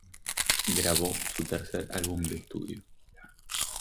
Grabó su tercer álbum de estudio.